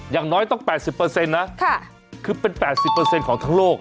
อย่างน้อยต้อง๘๐นะคือเป็น๘๐ของทั้งโลก